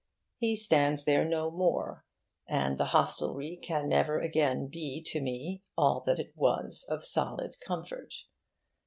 He stands there no more, and the hostelry can never again be to me all that it was of solid comfort.